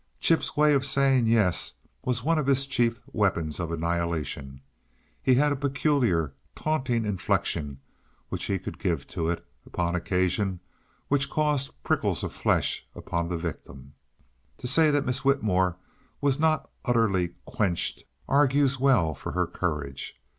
Chip's way of saying yes was one of his chief weapons of annihilation. He had a peculiar, taunting inflection which he could give to it, upon occasion, which caused prickles of flesh upon the victim. To say that Miss Whitmore was not utterly quenched argues well for her courage.